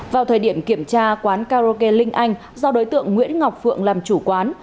vào thời điểm kiểm tra quán karaoke linh anh do đối tượng nguyễn ngọc phượng làm chủ quán